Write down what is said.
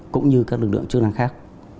cũng như các lực lượng chức năng khác